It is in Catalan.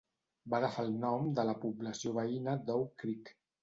Va agafar el nom de la població veïna d'Oak Creek.